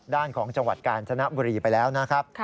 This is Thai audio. ด้านของจังหวัดกาญจนบุรีไปแล้วนะครับ